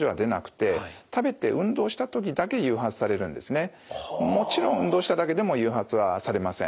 この病態はですねもちろん運動しただけでも誘発はされません。